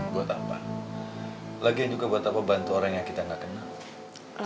buat apa lagi yang juga buat apa bantu orang yang kita gak kenal